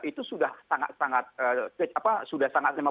itu sudah sangat